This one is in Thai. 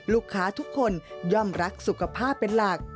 ลูกค้าทุกคนย่อมรักสุขภาพเป็นหลัก